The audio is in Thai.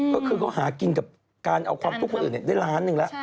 ก็คือเขาหากินกับการเอาความทุกข์คนอื่นได้ล้านหนึ่งแล้ว